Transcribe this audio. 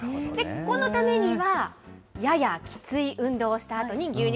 このためには、ややきつい運動をしたあとに、牛乳。